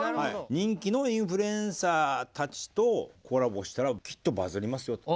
人気のインフルエンサーたちとコラボしたらきっとバズりますよと。